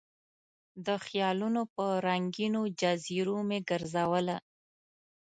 د خیالونو په رنګینو جزیرو مې ګرزوله